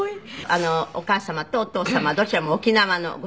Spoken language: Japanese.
お母様とお父様どちらも沖縄のご出身で。